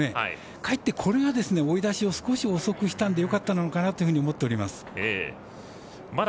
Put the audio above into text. かえって、これが追い出しを少し遅くしたのでよかったのかなと思っております。